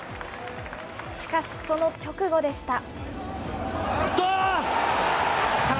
しかし、その直後でした。